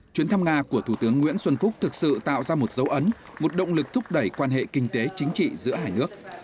chuyến thăm nga của thủ tướng nguyễn xuân phúc thực sự tạo ra một dấu ấn một động lực thúc đẩy quan hệ kinh tế chính trị giữa hai nước